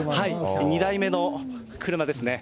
２台目の車ですね。